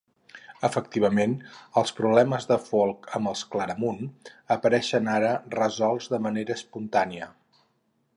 Efectivament, els problemes de Folc amb els Claramunt apareixen ara resolts de manera espontània.